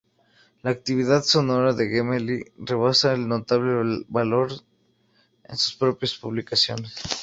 La actividad personal de Gemelli rebasa el notable valor de sus propias publicaciones.